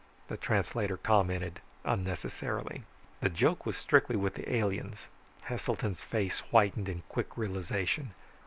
The translator commented unnecessarily. The joke was strictly with the aliens. Heselton's face whitened in quick realization.